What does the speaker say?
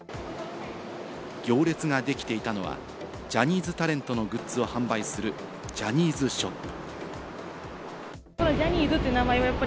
行列ができていたのは、ジャニーズタレントのグッズを販売するジャニーズショップ。